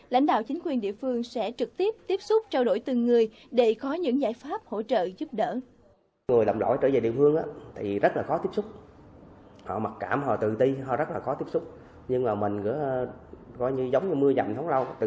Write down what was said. lãnh đạo chính quyền địa phương sẽ trực tiếp tiếp xúc trao đổi từng người để có những giải pháp hỗ trợ giúp đỡ